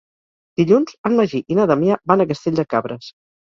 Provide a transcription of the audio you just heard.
Dilluns en Magí i na Damià van a Castell de Cabres.